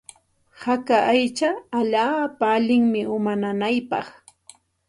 Haka aycha allaapa allinmi uma nanaypaq.